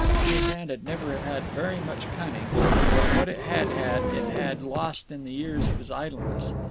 His hand had never had very much cunning, but what it had had it had lost in the years of his idleness.